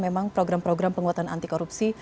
memang program program penguatan anti korupsi